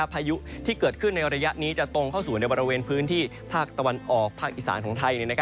พายุที่เกิดขึ้นในระยะนี้จะตรงเข้าสู่ในบริเวณพื้นที่ภาคตะวันออกภาคอีสานของไทย